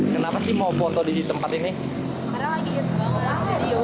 kenapa sih mau foto di tempat ini